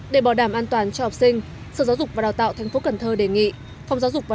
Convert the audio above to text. để bảo đảm an toàn cho học sinh sở giáo dục và đào tạo thành phố cần thơ đề nghị phòng giáo dục và